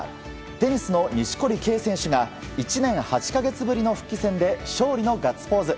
テニスの錦織圭選手が１年８か月ぶりの復帰戦で勝利のガッツポーズ！